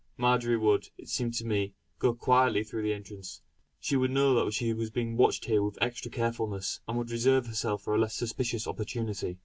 Marjory would, it seemed to me, go quietly through the entrance. She would know that she was being watched here with extra carefulness; and would reserve herself for a less suspicious opportunity.